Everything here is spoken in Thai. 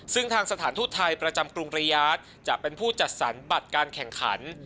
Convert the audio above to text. ซึ่งทางสถานทูตไทยประจำกรุงริยาทจะเป็นผู้จัดสรรบัตรการแข่งขัน